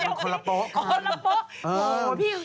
เขาบอกว่าโป๊ะแตก